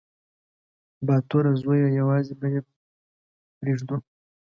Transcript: _باتوره زويه! يوازې به يې پرېږدو.